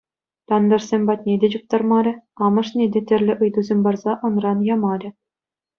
Тантӑшӗсем патне те чуптармарӗ, амӑшне те тӗрлӗ ыйтусем парса ӑнран ямарӗ.